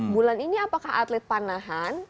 bulan ini apakah atlet panahan